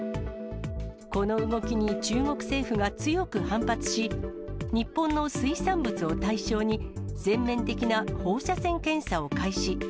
この動きに中国政府が強く反発し、日本の水産物を対象に、全面的な放射線検査を開始。